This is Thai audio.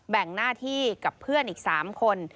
แบ่งหน้าที่กับเพื่อนอีก๓คน